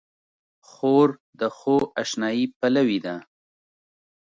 خور د ښو اشنايي پلوي ده.